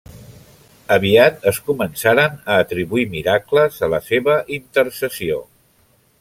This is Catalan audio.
Aviat es començaren a atribuir miracles a la seva intercessió.